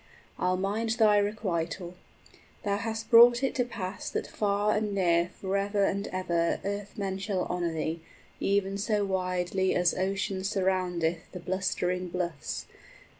I'll mind thy requital. 30 Thou hast brought it to pass that far and near Forever and ever earthmen shall honor thee, Even so widely as ocean surroundeth The blustering bluffs.